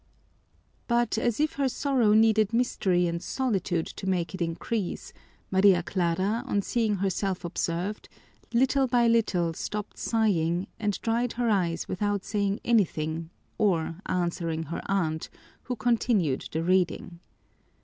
But, as if her sorrow needed mystery and solitude to make it increase, Maria Clara, on seeing herself observed, little by little stopped sighing and dried her eyes without saying anything or answering her aunt, who continued the reading.